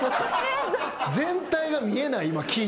全体が見えない